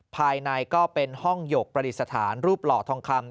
ภายในก็เป็นห้องหยกประดิษฐานรูปหล่อทองคำ